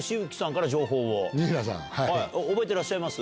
覚えてらっしゃいます？